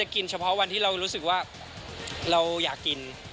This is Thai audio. กินเฉพาะวันที่เรารู้สึกว่าเราอยากกิน